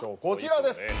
こちらです。